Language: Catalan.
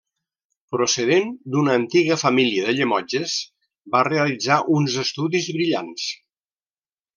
Procedent d'una antiga família de Llemotges, va realitzar uns estudis brillants.